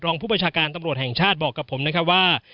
ผู้ประชาการตำรวจแห่งชาติบอกกับผมนะครับว่า